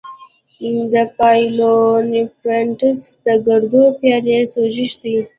د پايلونیفریټس د ګردو پیالې سوزش دی.